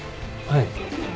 はい。